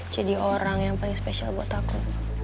jadi orang yang paling spesial buat aku